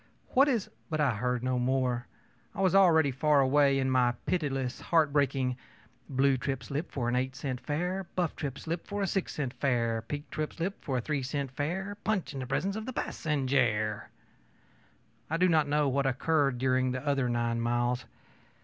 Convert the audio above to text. What is ö But I heard no more. I was already far away with my pitiless, heartbreaking ōblue trip slip for an eight cent fare, buff trip slip for a six cent fare, pink trip slip for a three cent fare; punch in the presence of the passenjare.ö I do not know what occurred during the other nine miles.